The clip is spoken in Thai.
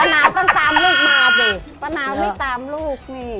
นาวต้องตามลูกมาสิป้านาวไม่ตามลูกนี่